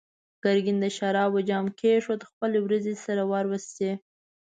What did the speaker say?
ګرګين د شرابو جام کېښود، خپلې وروځې يې سره وروستې.